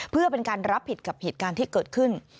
เพื่อเป็นการรับผิดกับเหตุการณ์ที่เกิดขึ้น